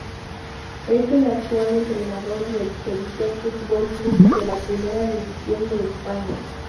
Es el actual entrenador del Sevilla Fútbol Club de la Primera División de España.